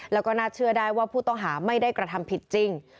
แล้วก็น่าเชื่อได้ว่าผู้ต้องหาไม่ได้กระทำผิดจริง